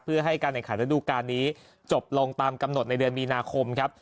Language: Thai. เพื่อให้การแข่งขันระดูการนี้จบลงตามกำหนดในเดือนมีนาคมครับ